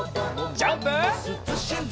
ジャンプ！